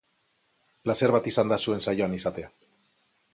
Plazer bat izan da zuek saioan izatea.